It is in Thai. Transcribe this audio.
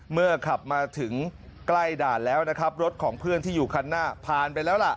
เมื่อขับมาถึงใกล้ด่านแล้วนะครับรถของเพื่อนที่อยู่คันหน้าผ่านไปแล้วล่ะ